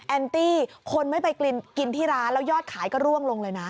แอนตี้คนไม่ไปกินที่ร้านแล้วยอดขายก็ร่วงลงเลยนะ